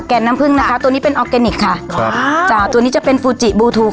น้ำผึ้งนะคะตัวนี้เป็นออร์แกนิคค่ะครับจ้ะตัวนี้จะเป็นฟูจิบูทู